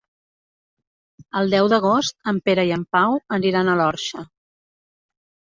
El deu d'agost en Pere i en Pau aniran a l'Orxa.